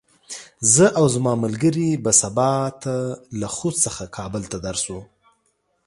زه او زما ملګري به سبا ته له خوست څخه کابل ته درشو.